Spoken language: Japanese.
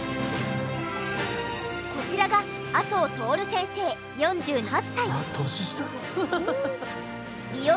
こちらが麻生泰先生４８歳。